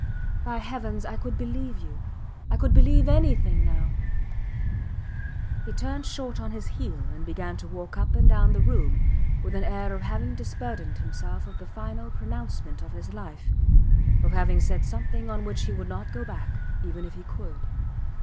By Heavens I could believe you I could believe anything now! He turned short on his heel and began to walk up and down the room with an air of having disburdened himself of the final pronouncement of his life of having said something on which he would not go back, even if he could.